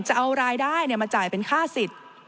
จะเอารายได้มาจ่ายเป็นค่าสิทธิ์